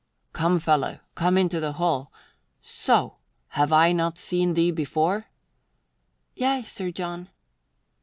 "Come, fellow, come into the hall. So! Have I not seen thee before?" "Yea, Sir John."